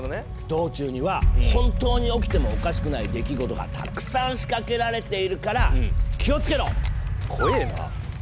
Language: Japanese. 道中には本当に起きてもおかしくない出来事がたくさん仕掛けられているから怖えな。